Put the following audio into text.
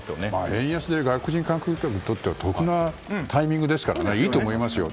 円安で外国人観光客にとっては得なタイミングですからいいと思いますよ。